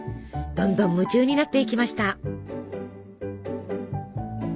どんどん夢中になっていきました。